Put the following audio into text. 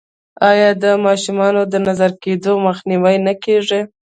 آیا د ماشومانو د نظر کیدو مخنیوی نه کیږي؟